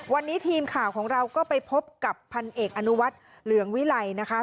วันนี้ทีมข่าวของเราก็ไปพบกับพันเอกอนุวัฒน์เหลืองวิไลนะคะ